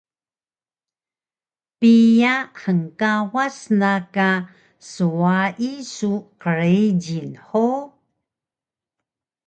Piya hngkawas na ka swayi su qrijil hug?